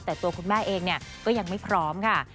แต่ตัวคุณแม่เองก็ยังไม่พร้อมค่ะ